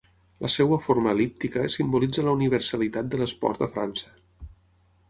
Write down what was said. La seva forma el·líptica simbolitza la universalitat de l'esport a França.